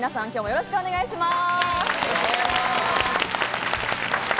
よろしくお願いします。